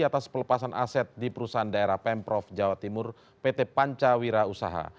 atas pelepasan aset di perusahaan daerah pemprov jawa timur pt pancawira usaha